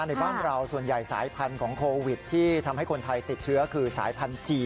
ในบ้านเราส่วนใหญ่สายพันธุ์ของโควิดที่ทำให้คนไทยติดเชื้อคือสายพันธุ์จีน